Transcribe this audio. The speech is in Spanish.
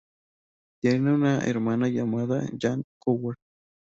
Tiene una hermana llamada Jan Howard.